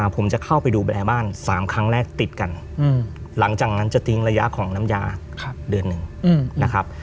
ผมจะเข้าไปดูแลบ้าน๓ครั้งแรกติดกันหลังจากนั้นจะทิ้งระยะของน้ำยาเดือนหนึ่งนะครับ